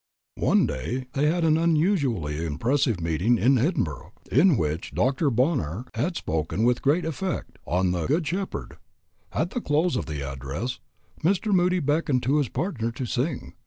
"One day they had an unusually impressive meeting in Edinburg, in which Dr. Bonar had spoken with great effect on 'The Good Shepherd.' At the close of the address Mr. Moody beckoned to his partner to sing.